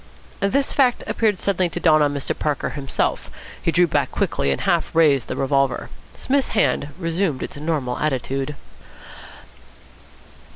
.. This fact appeared suddenly to dawn on Mr. Parker himself. He drew back quickly, and half raised the revolver. Psmith's hand resumed its normal attitude.